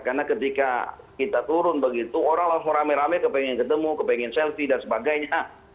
karena ketika kita turun begitu orang langsung rame rame kepengen ketemu kepengen selfie dan sebagainya